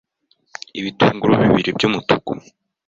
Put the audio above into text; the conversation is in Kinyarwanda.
ibitunguru bibiri by’umutuku